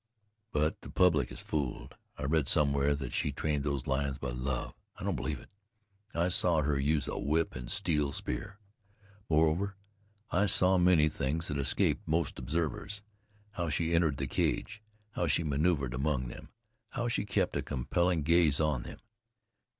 But the public is fooled. I read somewhere that she trained those lions by love. I don't believe it. I saw her use a whip and a steel spear. Moreover, I saw many things that escaped most observers how she entered the cage, how she maneuvered among them, how she kept a compelling gaze on them!